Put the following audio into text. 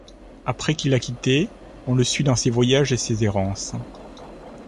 Après qu’il l’a quittée, on le suit dans ses voyages et ses errances.